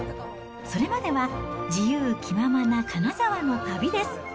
それまでは、自由気ままな金沢の旅です。